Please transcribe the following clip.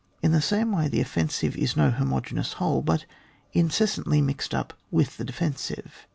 In the same way the offensive is no homo geneous whole, but incessantly mixed up with the defensive.